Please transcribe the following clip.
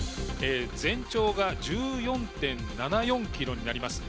全長が１４．７４ｋｍになります。